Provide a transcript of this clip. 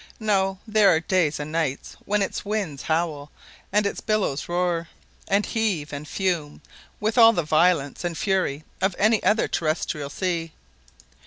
No there are days and nights when its winds howl, and its billows roar, and heave, and fume, with all the violence and fury of any other terrestrial sea.